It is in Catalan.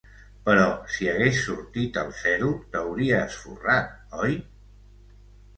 Però si hagués sortit el zero t'hauries forrat, oi?